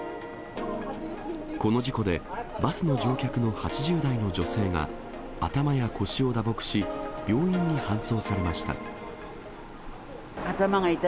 この事故で、バスの乗客の８０代の女性が、頭や腰を打撲し、病院に搬送されました。